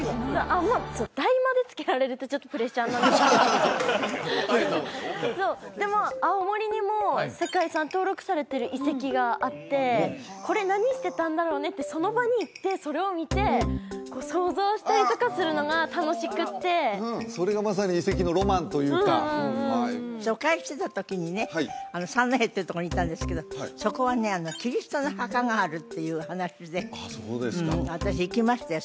いやちょっとイメージないでも青森にも世界遺産登録されてる遺跡があってこれ何してたんだろうねってその場に行ってそれを見て想像したりとかするのが楽しくってそれがまさに遺跡のロマンというか疎開してた時にね三戸っていうところに行ったんですけどそこはねキリストの墓があるっていう話であっそうですか私行きましたよ